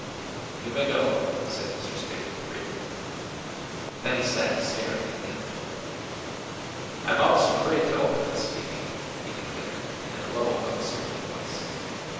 "You may go," said Mr. Spaythe briefly. Then he sat staring at the envelope. "I'm almost afraid to open this, Phoebe," he declared in a low, uncertain voice.